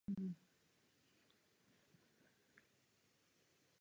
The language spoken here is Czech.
Putin.